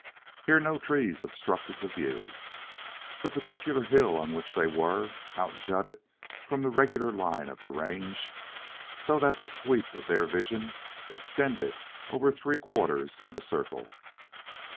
Here no trees obstructed the view. The particular hill on which they were, out jutted from the regular line of the range, so that the sweep of their vision extended over three quarters of the circle.